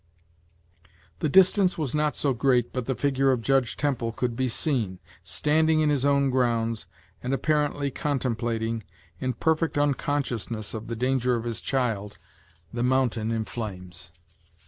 The distance was not so great but the figure of Judge Temple could be seen, standing in his own grounds, and apparently contemplating, in perfect unconsciousness of the danger of his child, the mountain in flames.